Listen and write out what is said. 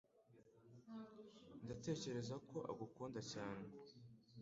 Ndatekereza ko agukunda cyane.